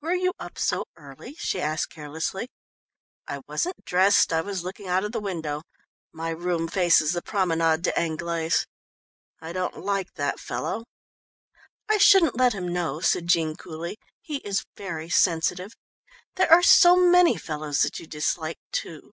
"Were you up so early?" she asked carelessly. "I wasn't dressed, I was looking out of the window my room faces the Promenade d'Anglaise. I don't like that fellow." "I shouldn't let him know," said Jean coolly. "He is very sensitive. There are so many fellows that you dislike, too."